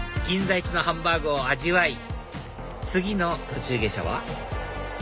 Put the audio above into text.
一のハンバーグを味わい次の途中下車は？